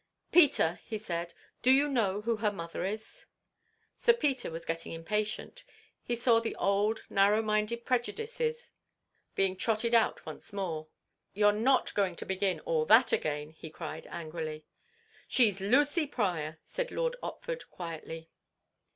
"Peter," he said, "do you know who her mother is?" Sir Peter was getting impatient. He saw all the old, narrow minded prejudices being trotted out once more. "You're not going to begin that again!" he cried, angrily. "She's Lucy Pryor," said Lord Otford quietly.